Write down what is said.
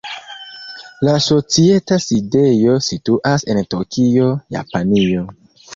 La societa sidejo situas en Tokio, Japanio.